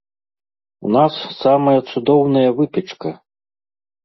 У нас самая цудоўная выпечка!